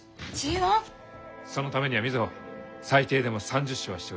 そのためには瑞穂最低でも３０勝はしておけ。